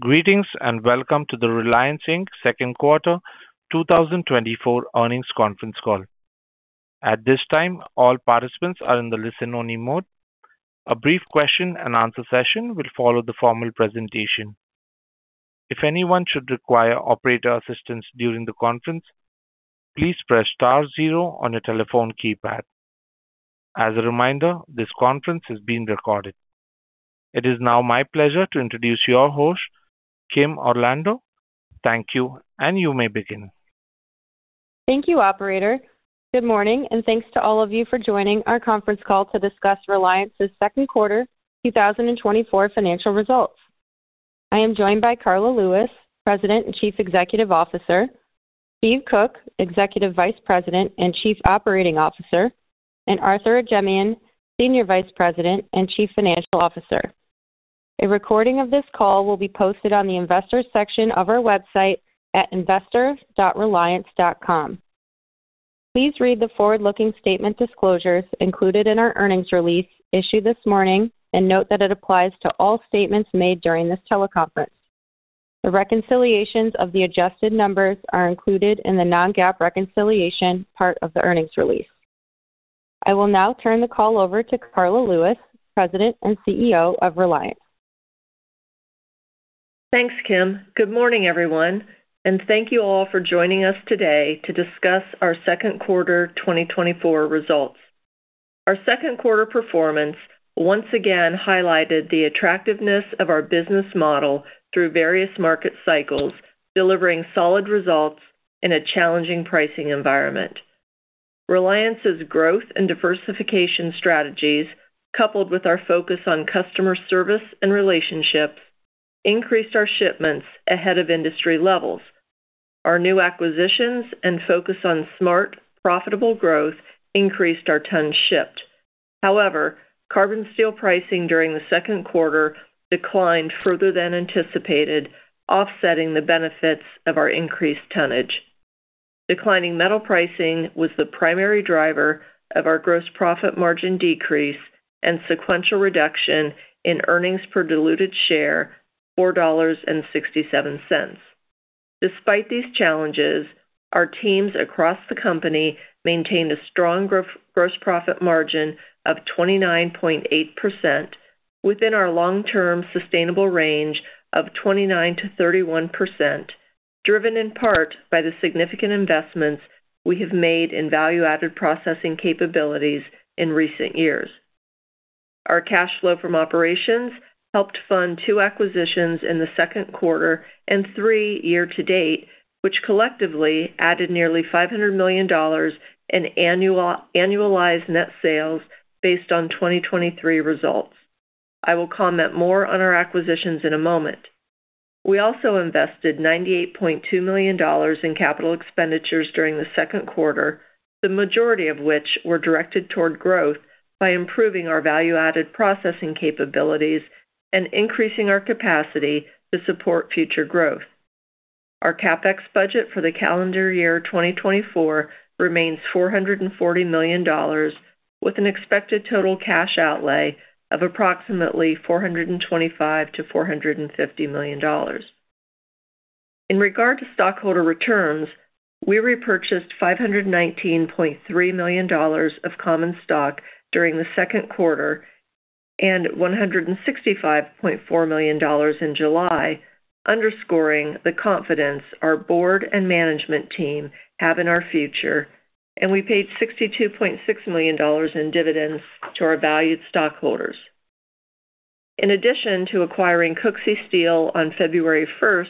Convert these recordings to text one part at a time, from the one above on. Greetings and welcome to the Reliance, Inc. Second Quarter 2024 Earnings Conference Call. At this time, all participants are in the listen-only mode. A brief question-and-answer session will follow the formal presentation. If anyone should require operator assistance during the conference, please press *0 on your telephone keypad. As a reminder, this conference is being recorded. It is now my pleasure to introduce your host, Kim Orlando. Thank you, and you may begin. Thank you, Operator. Good morning, and thanks to all of you for joining our conference call to discuss Reliance's Second Quarter 2024 financial results. I am joined by Karla Lewis, President and Chief Executive Officer, Stephen Koch, Executive Vice President and Chief Operating Officer, and Arthur Ajemyan, Senior Vice President and Chief Financial Officer. A recording of this call will be posted on the Investor's section of our website at investor.reliance.com. Please read the forward-looking statement disclosures included in our earnings release issued this morning and note that it applies to all statements made during this teleconference. The reconciliations of the adjusted numbers are included in the non-GAAP reconciliation part of the earnings release. I will now turn the call over to Karla Lewis, President and CEO of Reliance. Thanks, Kim. Good morning, everyone, and thank you all for joining us today to discuss our Second Quarter 2024 results. Our Second Quarter performance once again highlighted the attractiveness of our business model through various market cycles, delivering solid results in a challenging pricing environment. Reliance's growth and diversification strategies, coupled with our focus on customer service and relationships, increased our shipments ahead of industry levels. Our new acquisitions and focus on smart, profitable growth increased our tons shipped. However, carbon steel pricing during the Second Quarter declined further than anticipated, offsetting the benefits of our increased tonnage. Declining metal pricing was the primary driver of our gross profit margin decrease and sequential reduction in earnings per diluted share, $4.67. Despite these challenges, our teams across the company maintained a strong gross profit margin of 29.8% within our long-term sustainable range of 29%-31%, driven in part by the significant investments we have made in value-added processing capabilities in recent years. Our cash flow from operations helped fund two acquisitions in the Second Quarter and three year-to-date, which collectively added nearly $500 million in annualized net sales based on 2023 results. I will comment more on our acquisitions in a moment. We also invested $98.2 million in capital expenditures during the Second Quarter, the majority of which were directed toward growth by improving our value-added processing capabilities and increasing our capacity to support future growth. Our CapEx budget for the calendar year 2024 remains $440 million, with an expected total cash outlay of approximately $425 million-$450 million. In regard to stockholder returns, we repurchased $519.3 million of common stock during the second quarter and $165.4 million in July, underscoring the confidence our board and management team have in our future, and we paid $62.6 million in dividends to our valued stockholders. In addition to acquiring Cooksey Steel on February 1st,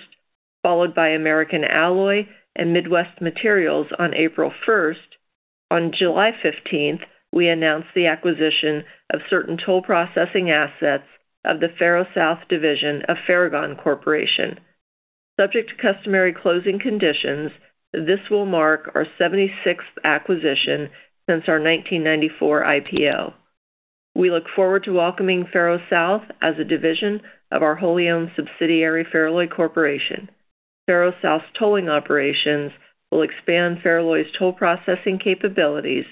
followed by American Alloy Steel and MidWest Materials on April 1st, on July 15th, we announced the acquisition of certain toll processing assets of the FerrouSouth division of Ferragon Corporation. Subject to customary closing conditions, this will mark our 76th acquisition since our 1994 IPO. We look forward to welcoming FerrouSouth as a division of our wholly-owned subsidiary, Feralloy Corporation. FerrouSouth's tolling operations will expand Feralloy's toll processing capabilities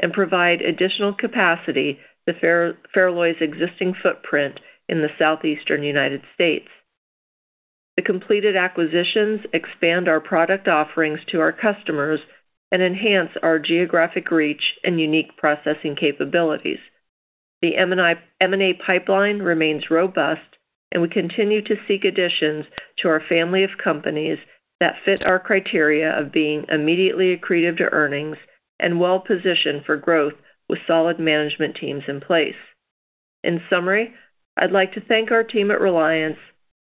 and provide additional capacity to Feralloy's existing footprint in the southeastern United States. The completed acquisitions expand our product offerings to our customers and enhance our geographic reach and unique processing capabilities. The M&A pipeline remains robust, and we continue to seek additions to our family of companies that fit our criteria of being immediately accretive to earnings and well-positioned for growth with solid management teams in place. In summary, I'd like to thank our team at Reliance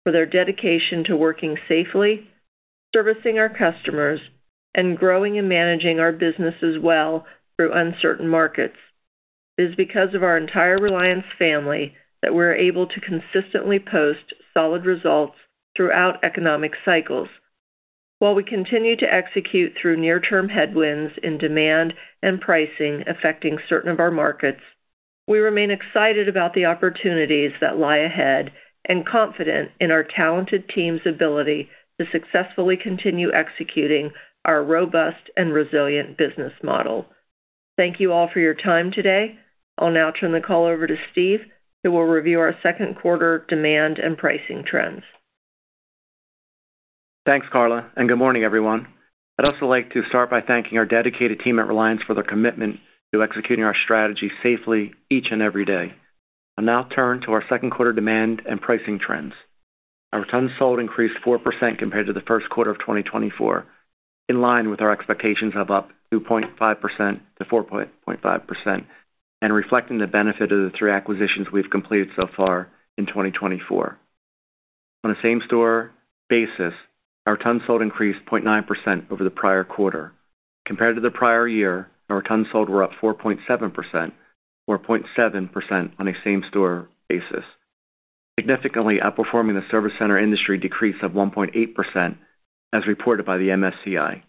for their dedication to working safely, servicing our customers, and growing and managing our businesses well through uncertain markets. It is because of our entire Reliance family that we're able to consistently post solid results throughout economic cycles. While we continue to execute through near-term headwinds in demand and pricing affecting certain of our markets, we remain excited about the opportunities that lie ahead and confident in our talented team's ability to successfully continue executing our robust and resilient business model. Thank you all for your time today. I'll now turn the call over to Steve, who will review our Second Quarter demand and pricing trends. Thanks, Karla, and good morning, everyone. I'd also like to start by thanking our dedicated team at Reliance for their commitment to executing our strategy safely each and every day. I'll now turn to our second quarter demand and pricing trends. Our tons sold increased 4% compared to the first quarter of 2024, in line with our expectations of up 2.5%-4.5%, and reflecting the benefit of the 3 acquisitions we've completed so far in 2024. On a same-store basis, our tons sold increased 0.9% over the prior quarter. Compared to the prior year, our tons sold were up 4.7%, or 0.7% on a same-store basis, significantly outperforming the service center industry decrease of 1.8%, as reported by the MSCI.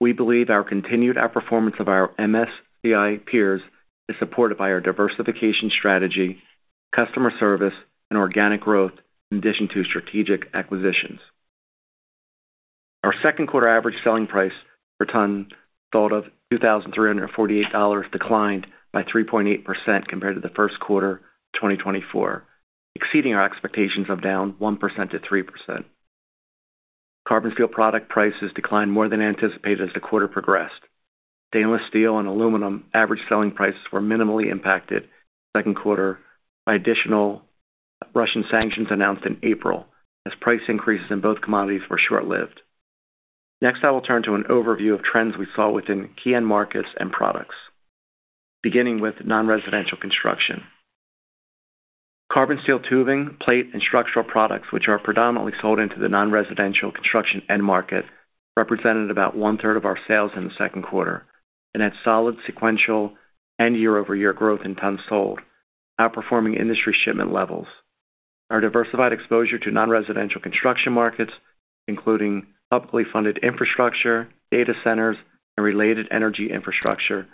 We believe our continued outperformance of our MSCI peers is supported by our diversification strategy, customer service, and organic growth, in addition to strategic acquisitions. Our Second Quarter average selling price per ton sold of $2,348 declined by 3.8% compared to the first quarter of 2024, exceeding our expectations of down 1%-3%. Carbon steel product prices declined more than anticipated as the quarter progressed. Stainless steel and aluminum average selling prices were minimally impacted in the Second Quarter by additional Russian sanctions announced in April, as price increases in both commodities were short-lived. Next, I will turn to an overview of trends we saw within key end markets and products, beginning with non-residential construction. Carbon steel tubing, plate, and structural products, which are predominantly sold into the non-residential construction end market, represented about one-third of our sales in the Second Quarter and had solid sequential and year-over-year growth in tons sold, outperforming industry shipment levels. Our diversified exposure to non-residential construction markets, including publicly funded infrastructure, data centers, and related energy infrastructure,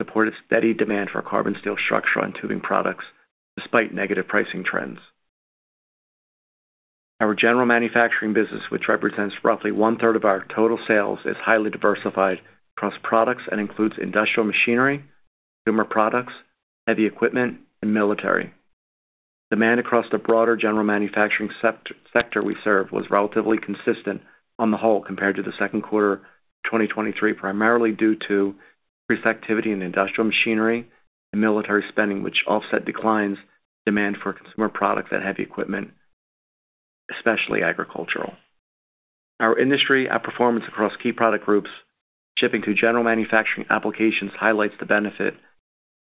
supported steady demand for carbon steel structural and tubing products despite negative pricing trends. Our general manufacturing business, which represents roughly one-third of our total sales, is highly diversified across products and includes industrial machinery, consumer products, heavy equipment, and military. Demand across the broader general manufacturing sector we serve was relatively consistent on the whole compared to the Second Quarter 2023, primarily due to increased activity in industrial machinery and military spending, which offset declines in demand for consumer products and heavy equipment, especially agricultural. Our industry outperformance across key product groups, shipping to general manufacturing applications, highlights the benefit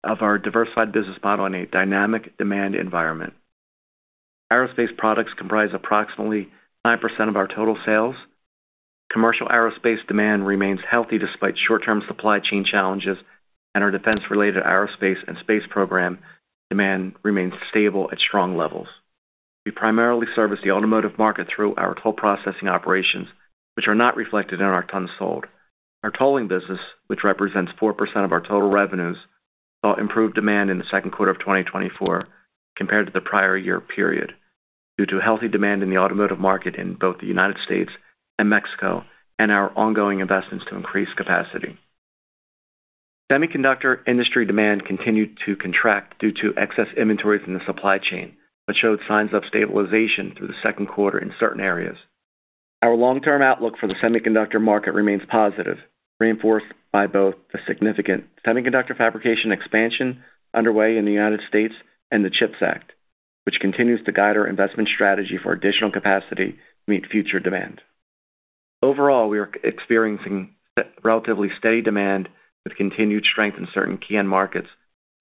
of our diversified business model in a dynamic demand environment. Aerospace products comprise approximately 9% of our total sales. Commercial aerospace demand remains healthy despite short-term supply chain challenges, and our defense-related aerospace and space program demand remains stable at strong levels. We primarily service the automotive market through our toll processing operations, which are not reflected in our tons sold. Our tolling business, which represents 4% of our total revenues, saw improved demand in the Second Quarter of 2024 compared to the prior year period due to healthy demand in the automotive market in both the United States and Mexico, and our ongoing investments to increase capacity. Semiconductor industry demand continued to contract due to excess inventories in the supply chain, but showed signs of stabilization through the Second Quarter in certain areas. Our long-term outlook for the semiconductor market remains positive, reinforced by both the significant semiconductor fabrication expansion underway in the United States and the CHIPS Act, which continues to guide our investment strategy for additional capacity to meet future demand. Overall, we are experiencing relatively steady demand with continued strength in certain key end markets,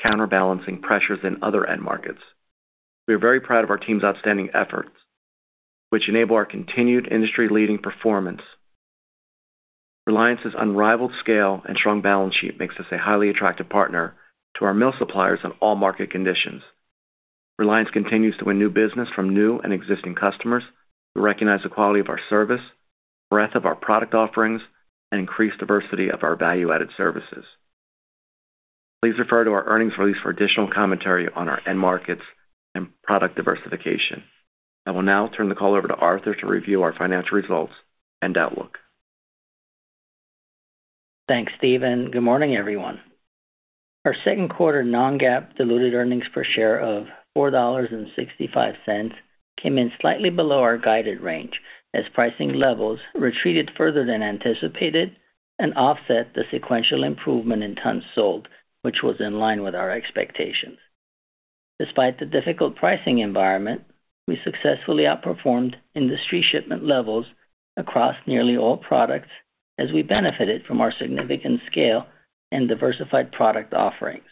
counterbalancing pressures in other end markets. We are very proud of our team's outstanding efforts, which enable our continued industry-leading performance. Reliance's unrivaled scale and strong balance sheet make us a highly attractive partner to our mill suppliers in all market conditions. Reliance continues to win new business from new and existing customers. We recognize the quality of our service, breadth of our product offerings, and increased diversity of our value-added services. Please refer to our earnings release for additional commentary on our end markets and product diversification. I will now turn the call over to Arthur to review our financial results and outlook. Thanks, Stephen. Good morning, everyone. Our Second Quarter non-GAAP diluted earnings per share of $4.65 came in slightly below our guided range, as pricing levels retreated further than anticipated and offset the sequential improvement in tons sold, which was in line with our expectations. Despite the difficult pricing environment, we successfully outperformed industry shipment levels across nearly all products, as we benefited from our significant scale and diversified product offerings.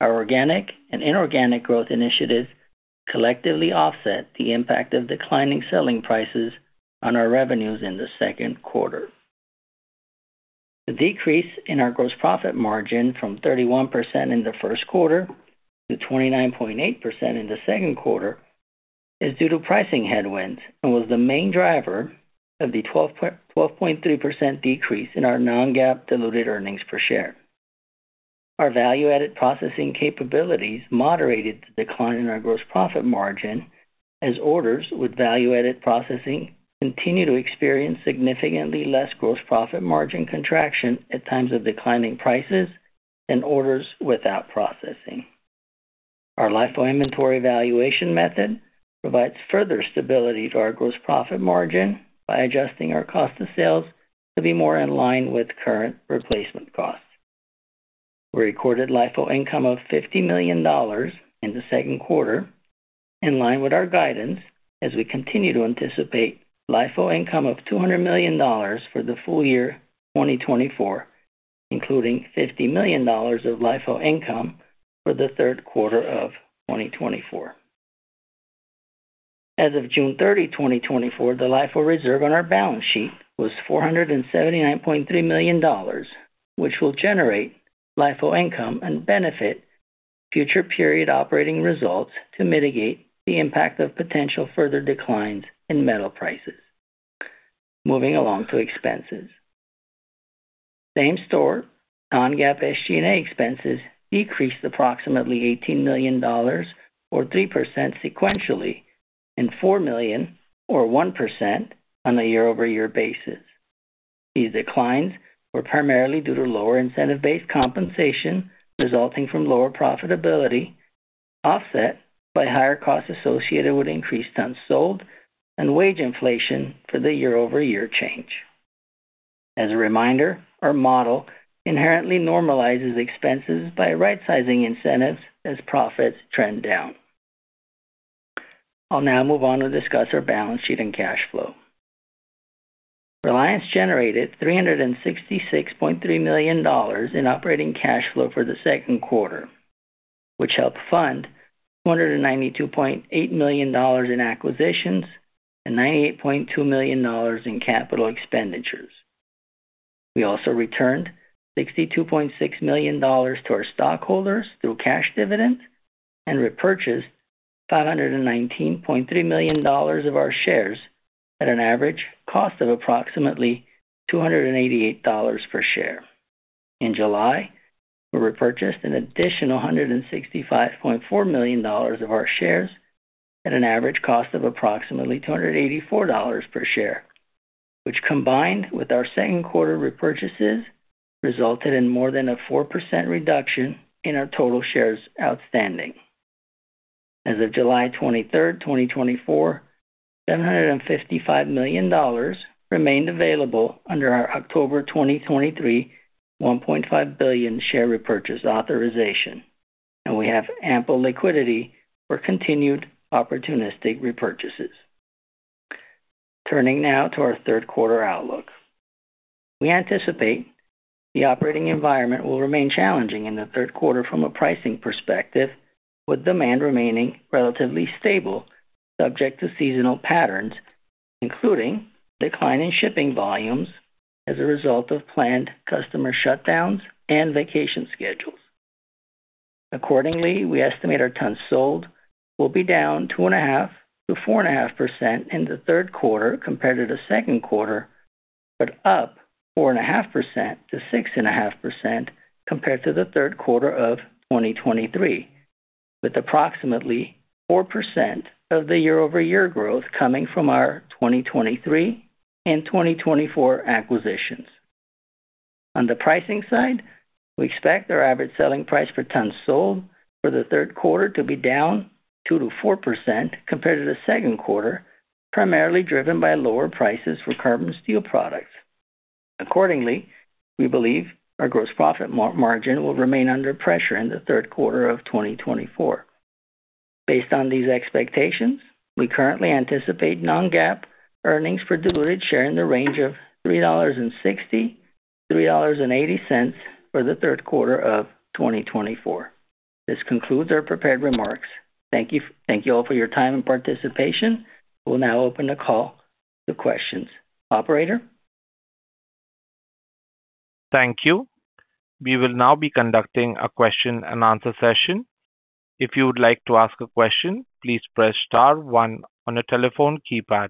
Our organic and inorganic growth initiatives collectively offset the impact of declining selling prices on our revenues in the Second Quarter. The decrease in our gross profit margin from 31% in the First Quarter to 29.8% in the Second Quarter is due to pricing headwinds and was the main driver of the 12.3% decrease in our non-GAAP diluted earnings per share. Our value-added processing capabilities moderated the decline in our gross profit margin, as orders with value-added processing continue to experience significantly less gross profit margin contraction at times of declining prices than orders without processing. Our LIFO inventory valuation method provides further stability to our gross profit margin by adjusting our cost of sales to be more in line with current replacement costs. We recorded LIFO income of $50 million in the second quarter, in line with our guidance, as we continue to anticipate LIFO income of $200 million for the full year 2024, including $50 million of LIFO income for the third quarter of 2024. As of June 30, 2024, the LIFO reserve on our balance sheet was $479.3 million, which will generate LIFO income and benefit future period operating results to mitigate the impact of potential further declines in metal prices. Moving along to expenses. Same-store non-GAAP SG&A expenses decreased approximately $18 million, or 3% sequentially, and $4 million, or 1%, on a year-over-year basis. These declines were primarily due to lower incentive-based compensation resulting from lower profitability, offset by higher costs associated with increased tons sold and wage inflation for the year-over-year change. As a reminder, our model inherently normalizes expenses by right-sizing incentives as profits trend down. I'll now move on to discuss our balance sheet and cash flow. Reliance generated $366.3 million in operating cash flow for the second quarter, which helped fund $292.8 million in acquisitions and $98.2 million in capital expenditures. We also returned $62.6 million to our stockholders through cash dividends and repurchased $519.3 million of our shares at an average cost of approximately $288 per share. In July, we repurchased an additional $165.4 million of our shares at an average cost of approximately $284 per share, which, combined with our Second Quarter repurchases, resulted in more than a 4% reduction in our total shares outstanding. As of July 23, 2024, $755 million remained available under our October 2023 $1.5 billion share repurchase authorization, and we have ample liquidity for continued opportunistic repurchases. Turning now to our Third Quarter outlook, we anticipate the operating environment will remain challenging in the Third Quarter from a pricing perspective, with demand remaining relatively stable, subject to seasonal patterns, including a decline in shipping volumes as a result of planned customer shutdowns and vacation schedules. Accordingly, we estimate our tons sold will be down 2.5%-4.5% in the Third Quarter compared to the Second Quarter, but up 4.5%-6.5% compared to the Third Quarter of 2023, with approximately 4% of the year-over-year growth coming from our 2023 and 2024 acquisitions. On the pricing side, we expect our average selling price per tons sold for the Third Quarter to be down 2%-4% compared to the Second Quarter, primarily driven by lower prices for carbon steel products. Accordingly, we believe our gross profit margin will remain under pressure in the Third Quarter of 2024. Based on these expectations, we currently anticipate non-GAAP earnings per diluted share in the range of $3.60-$3.80 for the Third Quarter of 2024. This concludes our prepared remarks. Thank you all for your time and participation. We'll now open the call to questions. Operator. Thank you. We will now be conducting a question-and-answer session. If you would like to ask a question, please press Star 1 on a telephone keypad.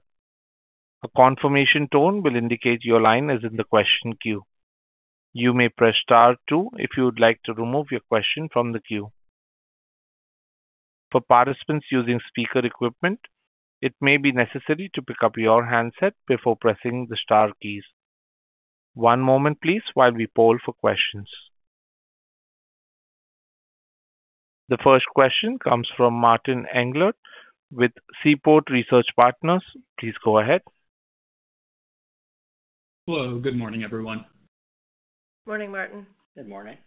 A confirmation tone will indicate your line is in the question queue. You may press Star 2 if you would like to remove your question from the queue. For participants using speaker equipment, it may be necessary to pick up your handset before pressing the Star keys. One moment, please, while we poll for questions. The first question comes from Martin Englert with Seaport Research Partners. Please go ahead. Hello. Good morning, everyone. Good morning, Martin. Good morning.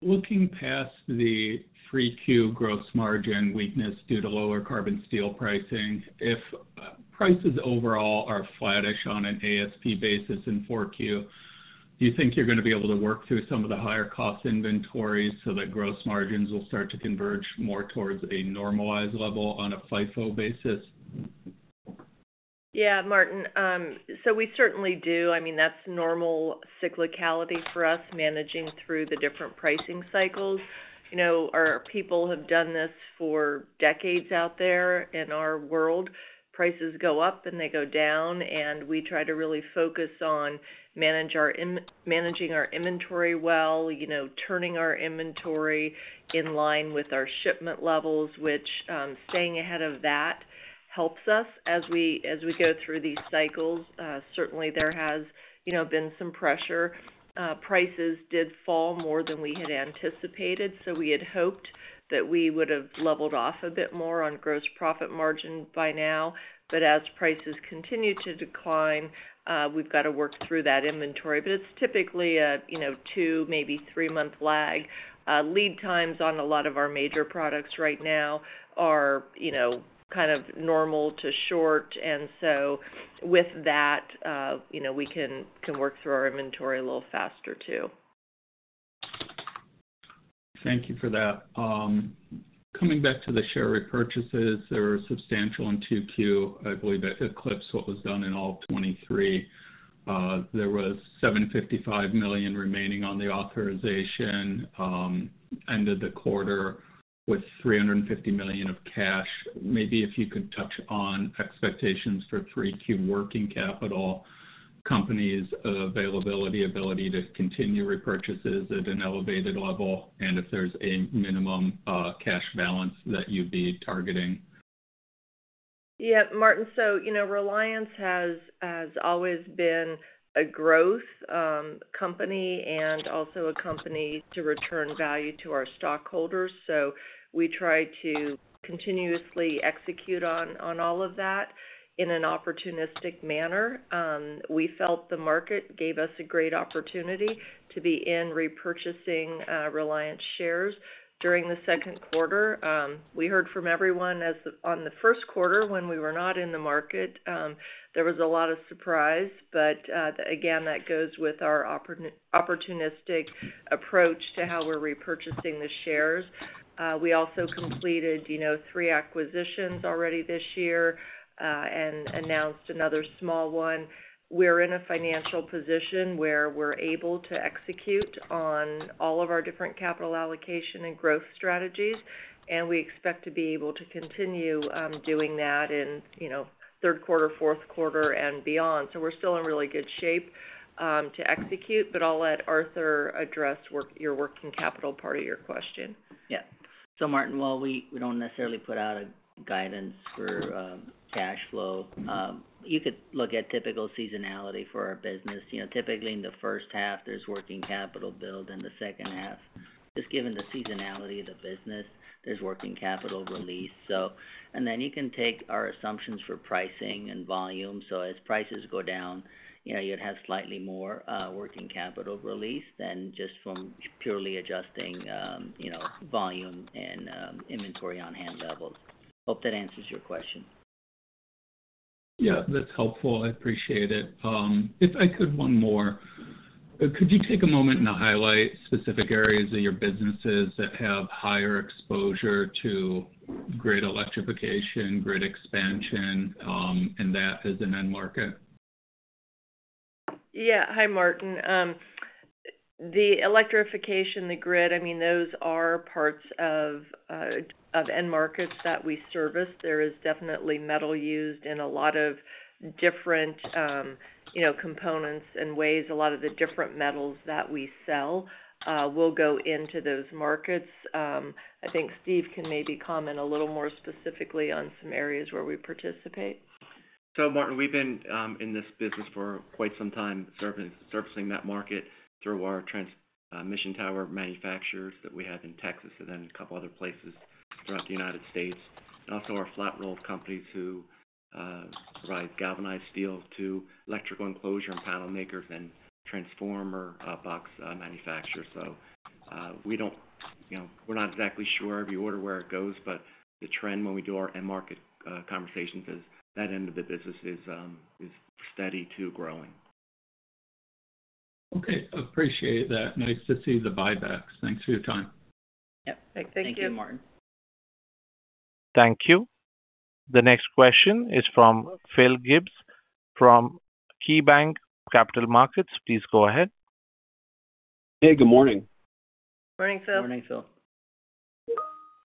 Looking past the Q3 gross margin weakness due to lower carbon steel pricing, if prices overall are flattish on an ASP basis in Q4, do you think you're going to be able to work through some of the higher cost inventories so that gross margins will start to converge more towards a normalized level on a FIFO basis? Yeah, Martin. So we certainly do. I mean, that's normal cyclicality for us managing through the different pricing cycles. Our people have done this for decades out there in our world. Prices go up and they go down, and we try to really focus on managing our inventory well, turning our inventory in line with our shipment levels, which staying ahead of that helps us as we go through these cycles. Certainly, there has been some pressure. Prices did fall more than we had anticipated, so we had hoped that we would have leveled off a bit more on gross profit margin by now. But as prices continue to decline, we've got to work through that inventory. But it's typically a 2, maybe 3-month lag. Lead times on a lot of our major products right now are kind of normal to short. With that, we can work through our inventory a little faster, too. Thank you for that. Coming back to the share repurchases, they're substantial in 2Q. I believe that eclipsed what was done in all 2023. There was $755 million remaining on the authorization end of the quarter with $350 million of cash. Maybe if you could touch on expectations for 3Q working capital, company's availability, ability to continue repurchases at an elevated level, and if there's a minimum cash balance that you'd be targeting. Yep. Martin, so Reliance has always been a growth company and also a company to return value to our stockholders. So we try to continuously execute on all of that in an opportunistic manner. We felt the market gave us a great opportunity to be in repurchasing Reliance shares during the Second Quarter. We heard from everyone on the First Quarter when we were not in the market. There was a lot of surprise. But again, that goes with our opportunistic approach to how we're repurchasing the shares. We also completed three acquisitions already this year and announced another small one. We're in a financial position where we're able to execute on all of our different capital allocation and growth strategies, and we expect to be able to continue doing that in Third Quarter, Fourth Quarter, and beyond. So we're still in really good shape to execute. I'll let Arthur address your working capital part of your question. Yeah. So Martin, while we don't necessarily put out a guidance for cash flow, you could look at typical seasonality for our business. Typically, in the first half, there's working capital build. In the second half, just given the seasonality of the business, there's working capital release. And then you can take our assumptions for pricing and volume. So as prices go down, you'd have slightly more working capital release than just from purely adjusting volume and inventory on hand levels. Hope that answers your question. Yeah. That's helpful. I appreciate it. If I could, one more. Could you take a moment and highlight specific areas of your businesses that have higher exposure to grid electrification, grid expansion, and that as an end market? Yeah. Hi, Martin. The electrification, the grid, I mean, those are parts of end markets that we service. There is definitely metal used in a lot of different components and ways. A lot of the different metals that we sell will go into those markets. I think Steve can maybe comment a little more specifically on some areas where we participate. So Martin, we've been in this business for quite some time, servicing that market through our transmission tower manufacturers that we have in Texas and then a couple of other places throughout the United States. And also our flat roll companies who provide galvanized steel to electrical enclosure and panel makers and transformer box manufacturers. So we're not exactly sure every order where it goes, but the trend when we do our end market conversations is that end of the business is steady to growing. Okay. Appreciate that. Nice to see the buybacks. Thanks for your time. Yep. Thank you. Thank you, Martin. Thank you. The next question is from Phil Gibbs from KeyBanc Capital Markets. Please go ahead. Hey, good morning. Morning, Phil. Morning, Phil.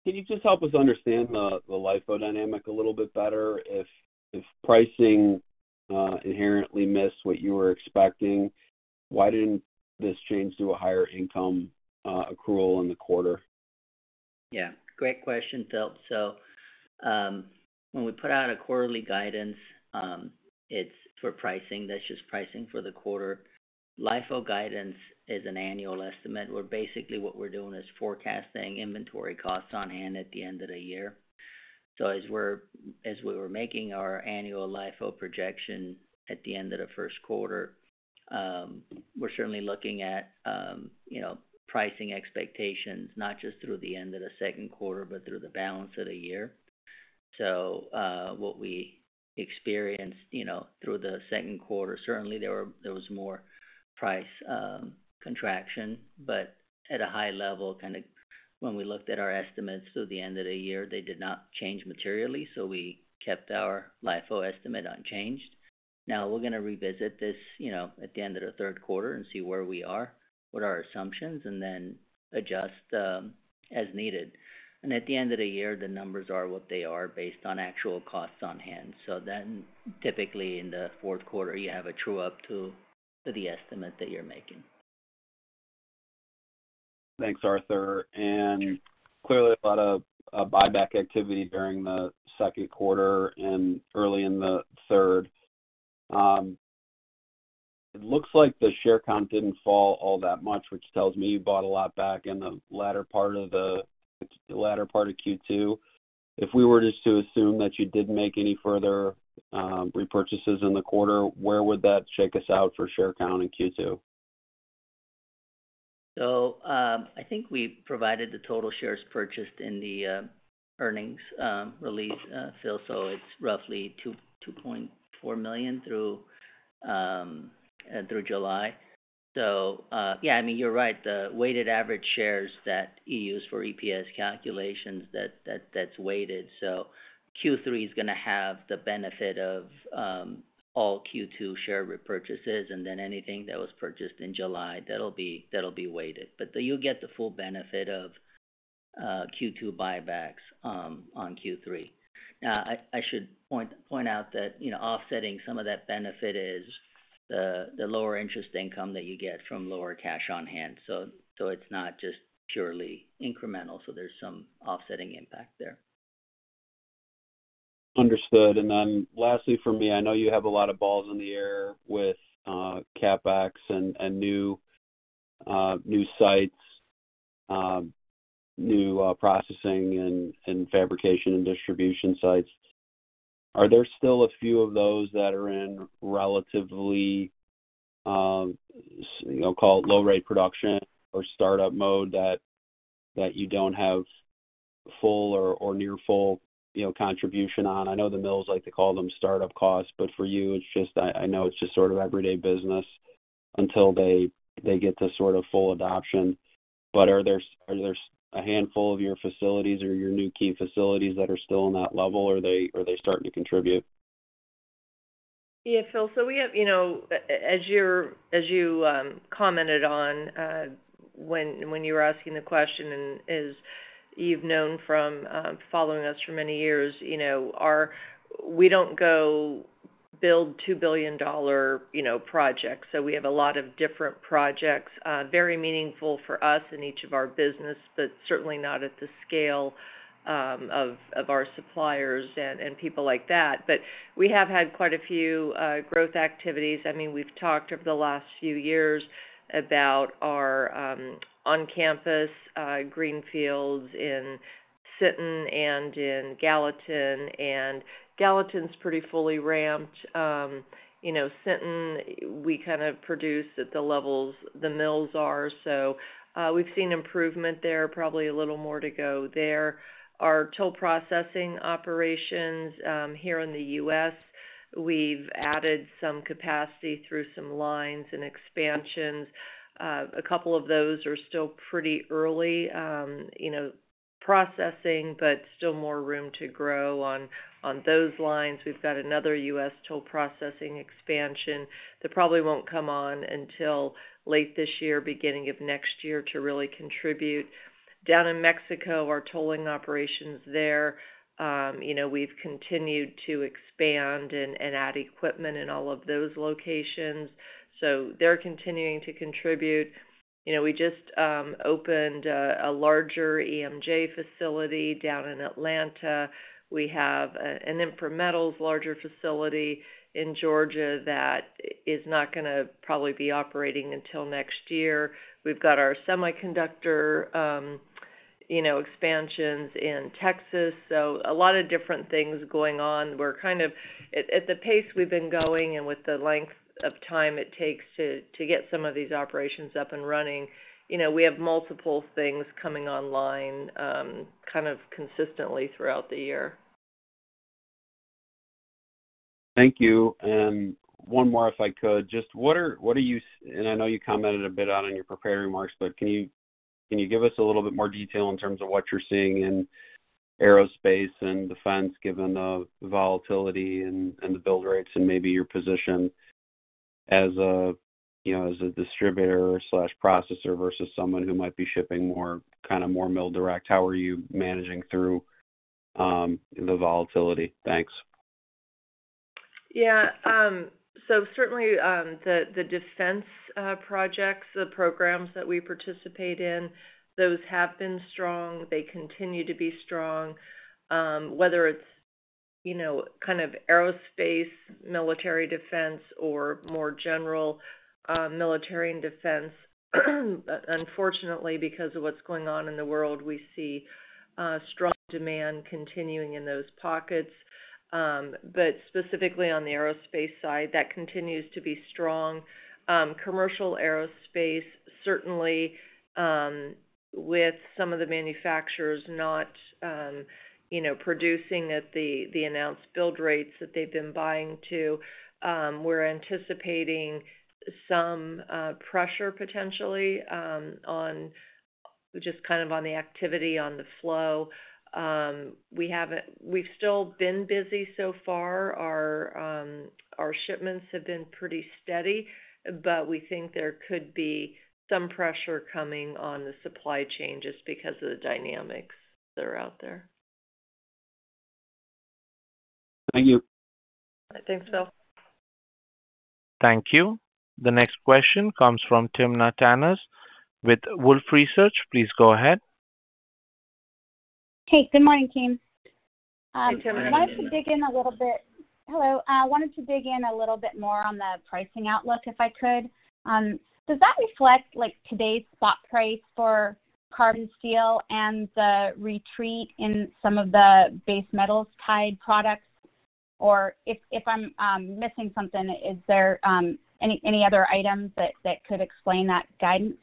Can you just help us understand the LIFO dynamic a little bit better? If pricing inherently missed what you were expecting, why didn't this change to a higher income accrual in the quarter? Yeah. Great question, Phil. So when we put out a quarterly guidance, it's for pricing. That's just pricing for the quarter. LIFO guidance is an annual estimate. Basically, what we're doing is forecasting inventory costs on hand at the end of the year. So as we're making our annual LIFO projection at the end of the First Quarter, we're certainly looking at pricing expectations, not just through the end of the Second Quarter, but through the balance of the year. So what we experienced through the Second Quarter, certainly there was more price contraction. But at a high level, kind of when we looked at our estimates through the end of the year, they did not change materially. So we kept our LIFO estimate unchanged. Now we're going to revisit this at the end of the third quarter and see where we are, what our assumptions, and then adjust as needed. And at the end of the year, the numbers are what they are based on actual costs on hand. So then typically in the fourth quarter, you have a true-up to the estimate that you're making. Thanks, Arthur. Clearly, a lot of buyback activity during the second quarter and early in the third. It looks like the share count didn't fall all that much, which tells me you bought a lot back in the latter part of Q2. If we were just to assume that you didn't make any further repurchases in the quarter, where would that shake us out for share count in Q2? So I think we provided the total shares purchased in the earnings release, Phil. So it's roughly 2.4 million through July. So yeah, I mean, you're right. The weighted average shares that you use for EPS calculations, that's weighted. So Q3 is going to have the benefit of all Q2 share repurchases, and then anything that was purchased in July, that'll be weighted. But you'll get the full benefit of Q2 buybacks on Q3. Now, I should point out that offsetting some of that benefit is the lower interest income that you get from lower cash on hand. So it's not just purely incremental. So there's some offsetting impact there. Understood. Then lastly for me, I know you have a lot of balls in the air with CapEx and new sites, new processing and fabrication and distribution sites. Are there still a few of those that are in relatively, call it low-grade production or startup mode that you don't have full or near full contribution on? I know the mills like to call them startup costs, but for you, I know it's just sort of everyday business until they get to sort of full adoption. Are there a handful of your facilities or your new key facilities that are still on that level, or are they starting to contribute? Yeah, Phil. So we have, as you commented on when you were asking the question, and as you've known from following us for many years, we don't go build $2 billion projects. So we have a lot of different projects, very meaningful for us in each of our business, but certainly not at the scale of our suppliers and people like that. But we have had quite a few growth activities. I mean, we've talked over the last few years about our on-campus greenfields in Sinton and in Gallatin. And Gallatin's pretty fully ramped. Sinton, we kind of produce at the levels the mills are. So we've seen improvement there, probably a little more to go there. Our toll processing operations here in the U.S., we've added some capacity through some lines and expansions. A couple of those are still pretty early processing, but still more room to grow on those lines. We've got another U.S. toll processing expansion. They probably won't come on until late this year, beginning of next year to really contribute. Down in Mexico, our tolling operations there, we've continued to expand and add equipment in all of those locations. So they're continuing to contribute. We just opened a larger EMJ facility down in Atlanta. We have an Infra-Metals larger facility in Georgia that is not going to probably be operating until next year. We've got our semiconductor expansions in Texas. So a lot of different things going on. We're kind of at the pace we've been going and with the length of time it takes to get some of these operations up and running. We have multiple things coming online kind of consistently throughout the year. Thank you. And one more, if I could, just what are you—and I know you commented a bit on in your prepared remarks, but can you give us a little bit more detail in terms of what you're seeing in aerospace and defense, given the volatility and the build rates and maybe your position as a distributor/processor versus someone who might be shipping kind of more mill direct? How are you managing through the volatility? Thanks. Yeah. So certainly the defense projects, the programs that we participate in, those have been strong. They continue to be strong. Whether it's kind of aerospace, military defense, or more general military and defense, unfortunately, because of what's going on in the world, we see strong demand continuing in those pockets. But specifically on the aerospace side, that continues to be strong. Commercial aerospace, certainly with some of the manufacturers not producing at the announced build rates that they've been buying to, we're anticipating some pressure potentially just kind of on the activity, on the flow. We've still been busy so far. Our shipments have been pretty steady, but we think there could be some pressure coming on the supply chain just because of the dynamics that are out there. Thank you. Thanks, Phil. Thank you. The next question comes from Timna Tanners with Wolfe Research. Please go ahead. Hey, good morning, team. Hey, Tim. I wanted to dig in a little bit, hello. I wanted to dig in a little bit more on the pricing outlook if I could. Does that reflect today's spot price for carbon steel and the retreat in some of the base metals tied products? Or if I'm missing something, is there any other items that could explain that guidance?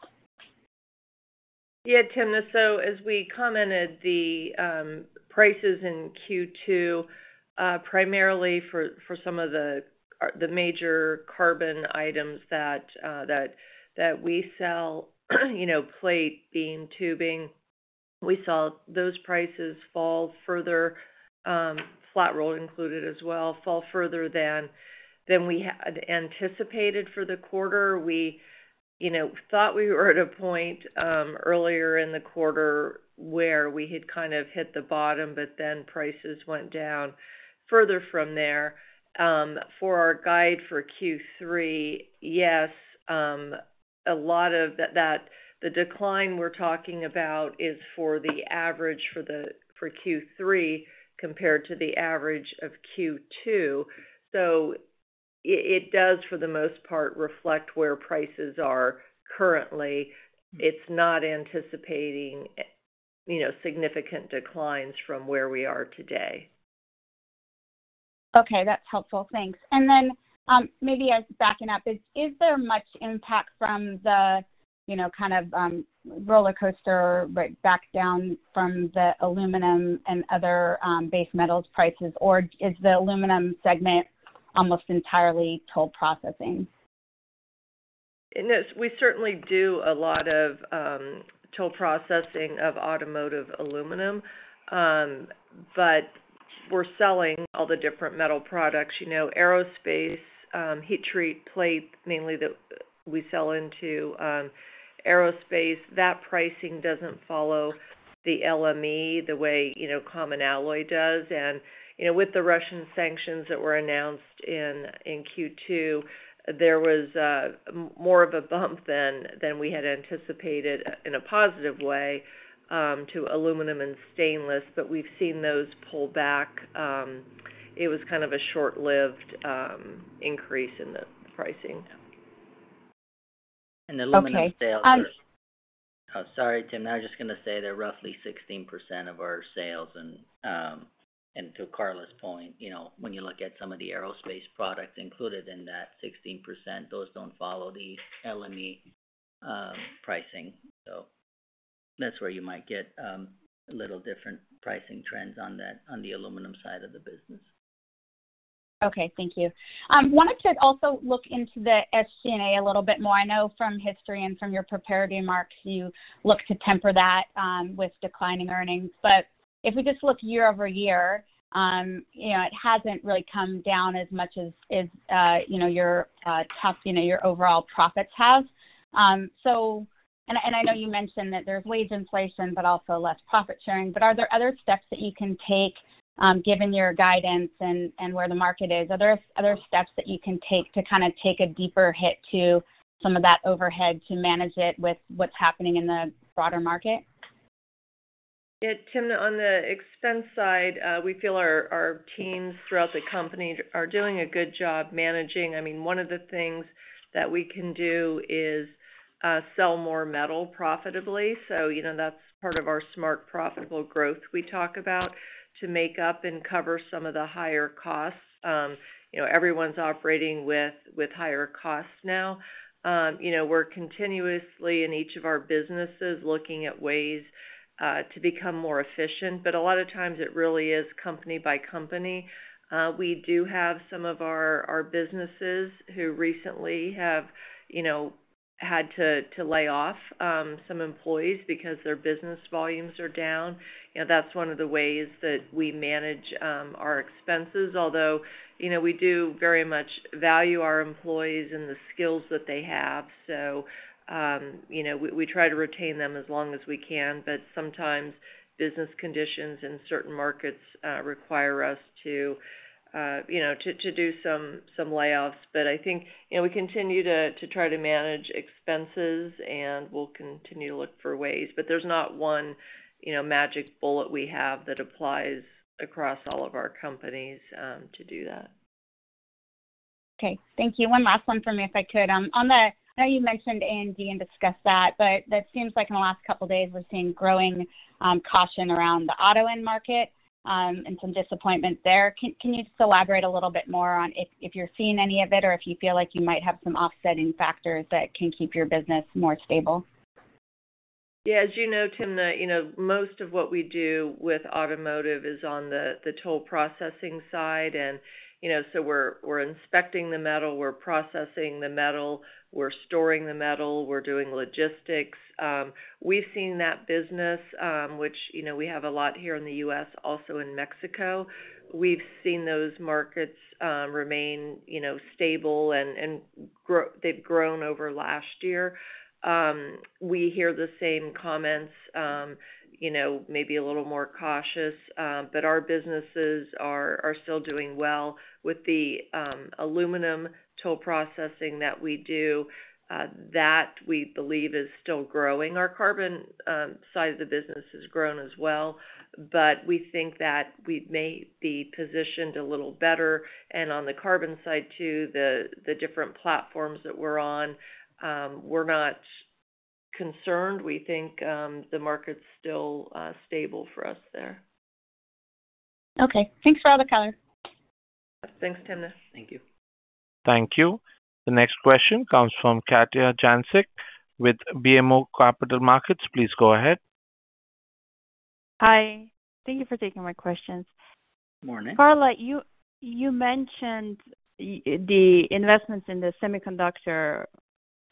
Yeah, Tim. So as we commented, the prices in Q2, primarily for some of the major carbon items that we sell, plate, beam, tubing, we saw those prices fall further, flat roll included as well, fall further than we had anticipated for the quarter. We thought we were at a point earlier in the quarter where we had kind of hit the bottom, but then prices went down further from there. For our guide for Q3, yes, a lot of that, the decline we're talking about, is for the average for Q3 compared to the average of Q2. So it does, for the most part, reflect where prices are currently. It's not anticipating significant declines from where we are today. Okay. That's helpful. Thanks. And then maybe as backing up, is there much impact from the kind of roller coaster right back down from the aluminum and other base metals prices, or is the aluminum segment almost entirely toll processing? We certainly do a lot of toll processing of automotive aluminum, but we're selling all the different metal products. Aerospace, heat-treated plate, mainly that we sell into aerospace. That pricing doesn't follow the LME the way common alloy does. And with the Russian sanctions that were announced in Q2, there was more of a bump than we had anticipated in a positive way to aluminum and stainless, but we've seen those pull back. It was kind of a short-lived increase in the pricing. Oh, sorry, Tim. I was just going to say they're roughly 16% of our sales. And to Karla's point, when you look at some of the aerospace products included in that 16%, those don't follow the LME pricing. So that's where you might get a little different pricing trends on the aluminum side of the business. Okay. Thank you. I wanted to also look into the SG&A a little bit more. I know from history and from your prepared remarks, you look to temper that with declining earnings. But if we just look year-over-year, it hasn't really come down as much as your overall profits have. And I know you mentioned that there's wage inflation, but also less profit sharing. But are there other steps that you can take, given your guidance and where the market is? Are there other steps that you can take to kind of take a deeper hit to some of that overhead to manage it with what's happening in the broader market? Yeah, Tim, on the expense side, we feel our teams throughout the company are doing a good job managing. I mean, one of the things that we can do is sell more metal profitably. So that's part of our smart profitable growth we talk about to make up and cover some of the higher costs. Everyone's operating with higher costs now. We're continuously in each of our businesses looking at ways to become more efficient. But a lot of times, it really is company by company. We do have some of our businesses who recently have had to lay off some employees because their business volumes are down. That's one of the ways that we manage our expenses, although we do very much value our employees and the skills that they have. So we try to retain them as long as we can, but sometimes business conditions in certain markets require us to do some layoffs. But I think we continue to try to manage expenses, and we'll continue to look for ways. But there's not one magic bullet we have that applies across all of our companies to do that. Okay. Thank you. One last one for me, if I could. I know you mentioned A&D and discussed that, but it seems like in the last couple of days, we're seeing growing caution around the auto end market and some disappointment there. Can you just elaborate a little bit more on if you're seeing any of it or if you feel like you might have some offsetting factors that can keep your business more stable? Yeah. As you know, Tim, most of what we do with automotive is on the toll processing side. And so we're inspecting the metal. We're processing the metal. We're storing the metal. We're doing logistics. We've seen that business, which we have a lot here in the U.S., also in Mexico. We've seen those markets remain stable, and they've grown over last year. We hear the same comments, maybe a little more cautious. But our businesses are still doing well with the aluminum toll processing that we do. That we believe is still growing. Our carbon side of the business has grown as well. But we think that we may be positioned a little better. And on the carbon side too, the different platforms that we're on, we're not concerned. We think the market's still stable for us there. Okay. Thanks for all the colors. Thanks, Tim. Thank you. Thank you. The next question comes from Katja Jancic with BMO Capital Markets. Please go ahead. Hi. Thank you for taking my questions. Morning. Karla, you mentioned the investments in the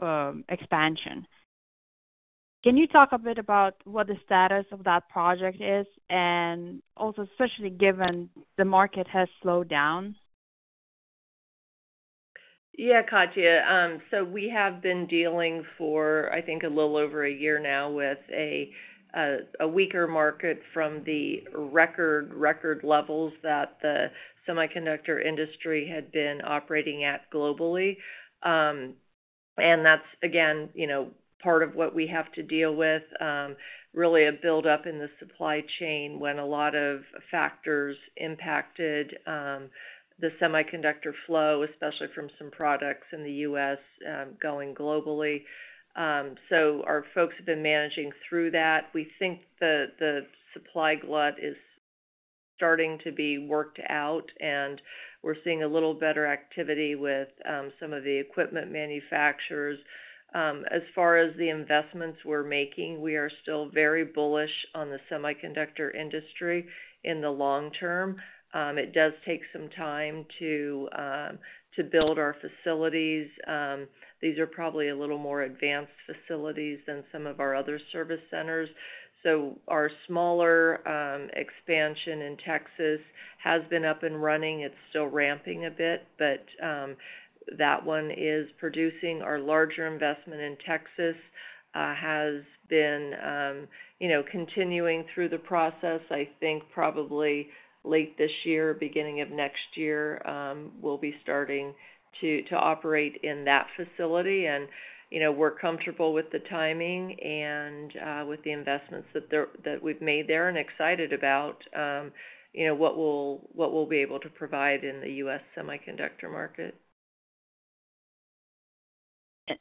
semiconductor expansion. Can you talk a bit about what the status of that project is, and also especially given the market has slowed down? Yeah, Katja. So we have been dealing for, I think, a little over a year now with a weaker market from the record levels that the semiconductor industry had been operating at globally. And that's, again, part of what we have to deal with, really a build-up in the supply chain when a lot of factors impacted the semiconductor flow, especially from some products in the U.S. going globally. So our folks have been managing through that. We think the supply glut is starting to be worked out, and we're seeing a little better activity with some of the equipment manufacturers. As far as the investments we're making, we are still very bullish on the semiconductor industry in the long term. It does take some time to build our facilities. These are probably a little more advanced facilities than some of our other service centers. Our smaller expansion in Texas has been up and running. It's still ramping a bit, but that one is producing. Our larger investment in Texas has been continuing through the process. I think probably late this year, beginning of next year, we'll be starting to operate in that facility. We're comfortable with the timing and with the investments that we've made there and excited about what we'll be able to provide in the U.S. semiconductor market.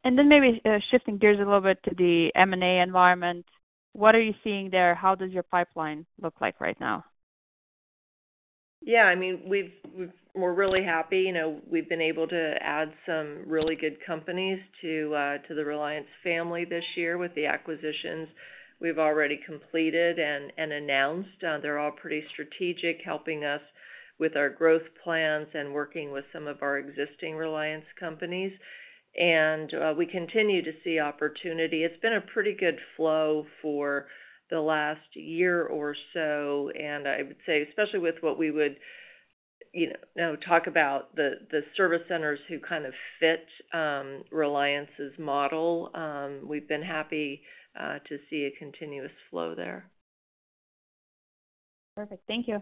And then maybe shifting gears a little bit to the M&A environment, what are you seeing there? How does your pipeline look like right now? Yeah. I mean, we're really happy. We've been able to add some really good companies to the Reliance family this year with the acquisitions we've already completed and announced. They're all pretty strategic, helping us with our growth plans and working with some of our existing Reliance companies. And we continue to see opportunity. It's been a pretty good flow for the last year or so. And I would say, especially with what we would talk about, the service centers who kind of fit Reliance's model, we've been happy to see a continuous flow there. Perfect. Thank you.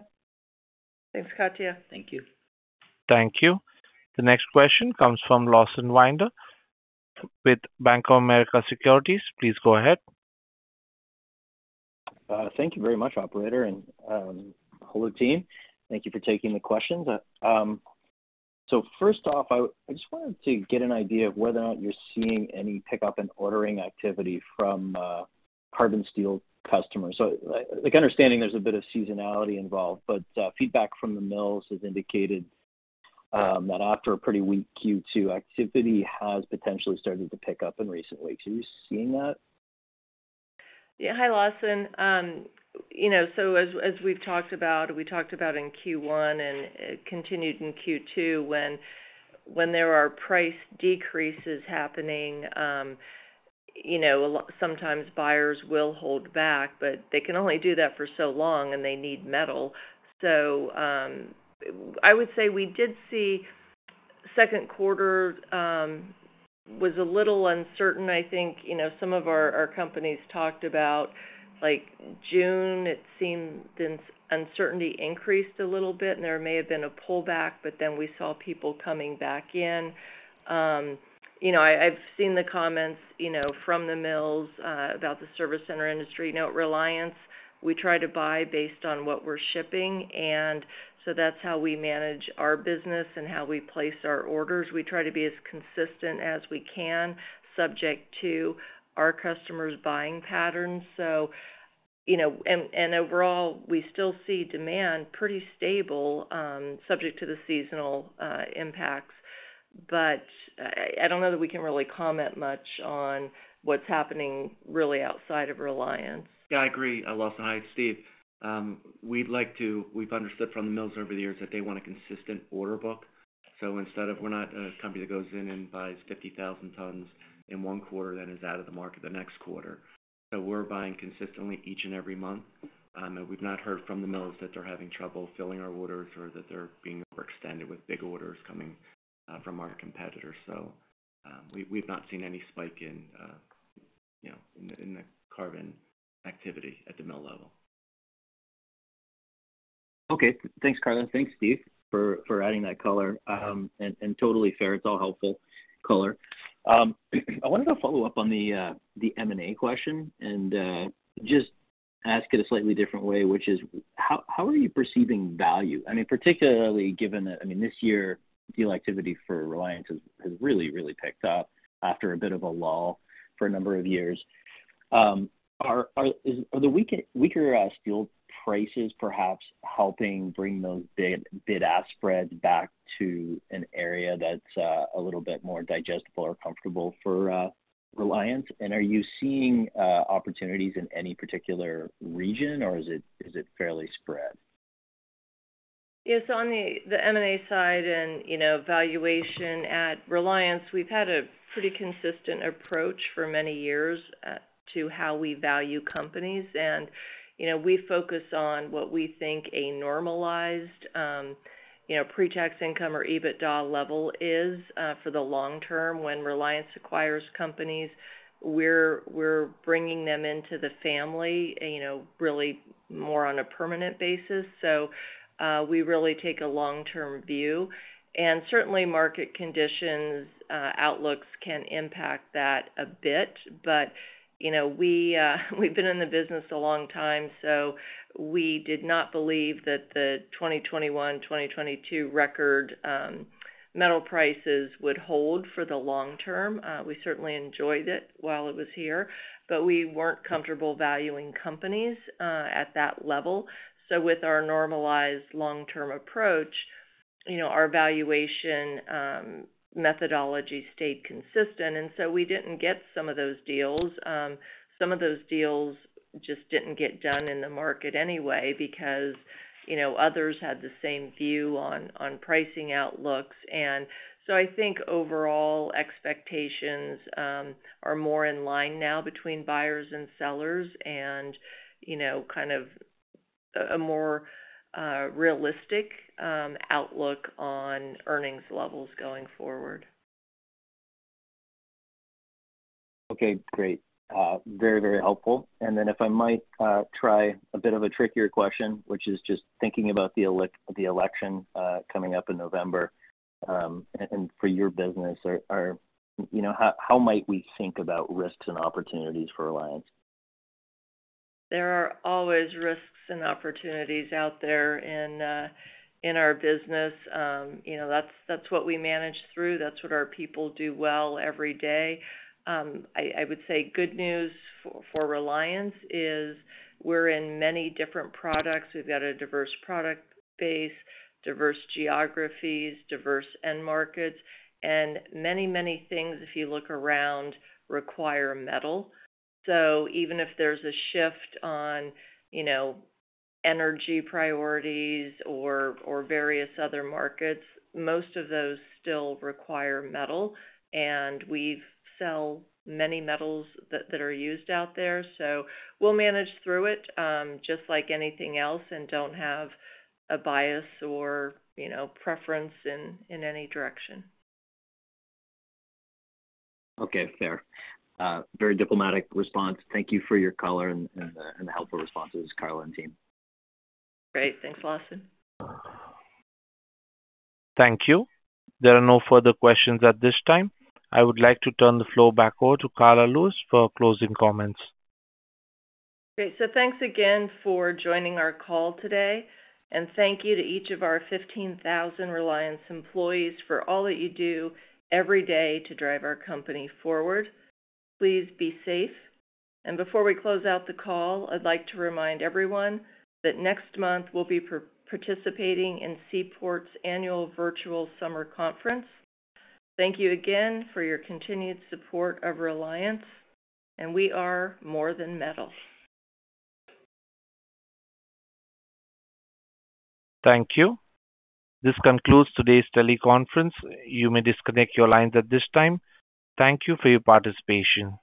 Thanks, Katja. Thank you. Thank you. The next question comes from Lawson Winder with Bank of America Securities. Please go ahead. Thank you very much, Operator, and hello, team. Thank you for taking the questions. So first off, I just wanted to get an idea of whether or not you're seeing any pickup and ordering activity from carbon steel customers. So understanding there's a bit of seasonality involved, but feedback from the mills has indicated that after a pretty weak Q2, activity has potentially started to pick up in recent weeks. Are you seeing that? Yeah. Hi, Lawson. So as we've talked about, we talked about in Q1 and continued in Q2, when there are price decreases happening, sometimes buyers will hold back, but they can only do that for so long, and they need metal. So I would say we did see second quarter was a little uncertain. I think some of our companies talked about June, it seemed the uncertainty increased a little bit, and there may have been a pullback, but then we saw people coming back in. I've seen the comments from the mills about the service center industry. Reliance, we try to buy based on what we're shipping. And so that's how we manage our business and how we place our orders. We try to be as consistent as we can, subject to our customers' buying patterns. Overall, we still see demand pretty stable, subject to the seasonal impacts. I don't know that we can really comment much on what's happening really outside of Reliance. Yeah, I agree. Lawson, hi, Steve. We've understood from the mills over the years that they want a consistent order book. So instead of we're not a company that goes in and buys 50,000 tons in one quarter, then is out of the market the next quarter. So we're buying consistently each and every month. And we've not heard from the mills that they're having trouble filling our orders or that they're being overextended with big orders coming from our competitors. So we've not seen any spike in the carbon activity at the mill level. Okay. Thanks, Karla. Thanks, Steve, for adding that color. And totally fair. It's all helpful color. I wanted to follow up on the M&A question and just ask it a slightly different way, which is, how are you perceiving value? I mean, particularly given that, I mean, this year, deal activity for Reliance has really, really picked up after a bit of a lull for a number of years. Are the weaker steel prices perhaps helping bring those bid-ask spreads back to an area that's a little bit more digestible or comfortable for Reliance? And are you seeing opportunities in any particular region, or is it fairly spread? Yeah. So on the M&A side and valuation at Reliance, we've had a pretty consistent approach for many years to how we value companies. And we focus on what we think a normalized pre-tax income or EBITDA level is for the long term. When Reliance acquires companies, we're bringing them into the family really more on a permanent basis. So we really take a long-term view. And certainly, market conditions, outlooks can impact that a bit. But we've been in the business a long time, so we did not believe that the 2021, 2022 record metal prices would hold for the long term. We certainly enjoyed it while it was here, but we weren't comfortable valuing companies at that level. So with our normalized long-term approach, our valuation methodology stayed consistent. And so we didn't get some of those deals. Some of those deals just didn't get done in the market anyway because others had the same view on pricing outlooks. And so I think overall expectations are more in line now between buyers and sellers and kind of a more realistic outlook on earnings levels going forward. Okay. Great. Very, very helpful. And then if I might try a bit of a trickier question, which is just thinking about the election coming up in November and for your business, how might we think about risks and opportunities for Reliance? There are always risks and opportunities out there in our business. That's what we manage through. That's what our people do well every day. I would say good news for Reliance is we're in many different products. We've got a diverse product base, diverse geographies, diverse end markets, and many, many things, if you look around, require metal. So even if there's a shift on energy priorities or various other markets, most of those still require metal. And we sell many metals that are used out there. So we'll manage through it just like anything else and don't have a bias or preference in any direction. Okay. Fair. Very diplomatic response. Thank you for your color and the helpful responses, Karla and team. Great. Thanks, Lawson. Thank you. There are no further questions at this time. I would like to turn the floor back over to Karla Lewis for closing comments. Great. Thanks again for joining our call today. Thank you to each of our 15,000 Reliance employees for all that you do every day to drive our company forward. Please be safe. Before we close out the call, I'd like to remind everyone that next month we'll be participating in Seaport's annual virtual summer conference. Thank you again for your continued support of Reliance, and we are more than metal. Thank you. This concludes today's teleconference. You may disconnect your lines at this time. Thank you for your participation.